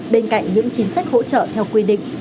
bên cạnh những chính sách hỗ trợ theo quy định